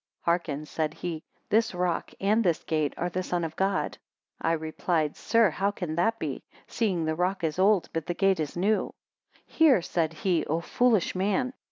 Hearken, said he; this rock, and this gate, are the Son of God. I replied, Sir, how can that be; seeing the rock is old, but the gate new? 110 Hear, said he, O foolish man!